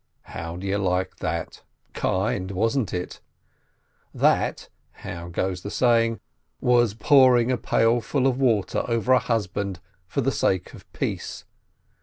How do you like that? Kind, wasn't it? That (how goes the saying?) was pouring a pailful of water over a husband for the sake of peace.